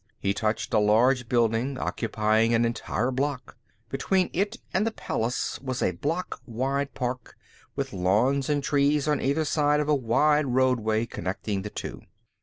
He touched a large building, occupying an entire block; between it and the palace was a block wide park, with lawns and trees on either side of a wide roadway connecting the two.